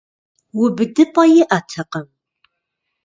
УбыдыпӀэ иӀэтэкъым.